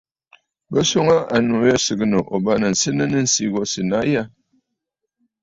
Bɨ swoŋə aa annu yî sɨgɨ̀ǹə̀ ò bâŋnə̀ senə nɨ̂ ǹsî sènə̀ aa a ya?